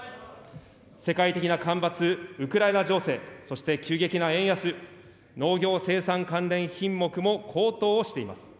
世界的な干ばつ、ウクライナ情勢、そして急激な円安、農業生産関連品目も高騰しています。